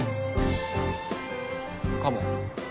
かも。